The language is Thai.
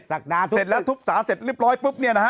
เสร็จแล้วทุบสารเสร็จเรียบร้อยปุ๊บเนี่ยนะฮะ